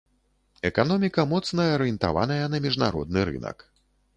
Эканоміка моцна арыентаваная на міжнародны рынак.